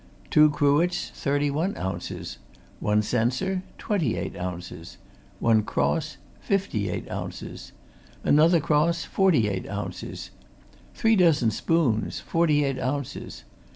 Two cruets, thirty one ounces. One censer, twenty eight ounces. One cross, fifty eight ounces. Another cross, forty eight ounces. Three dozen spoons, forty eight ounces.